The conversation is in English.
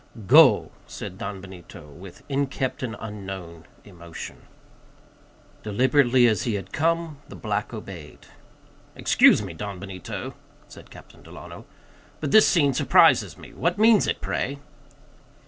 "Go," said Don Benito, with inkept and unknown emotion. Deliberately as he had come, the black obeyed. "Excuse me, Don Benito," said Captain Delano, "but this scene surprises me; what means it, pray?"